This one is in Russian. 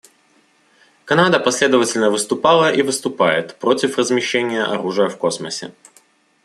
Канада последовательно выступала и выступает против размещения оружия в космосе.